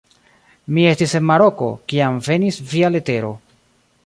Mi estis en Maroko, kiam venis via letero.